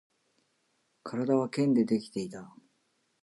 体は剣でできていた